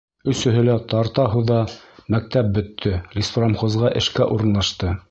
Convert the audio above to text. Өсөһө лә тарта-һуҙа мәктәп бөттө, леспромхозға эшкә урынлашты.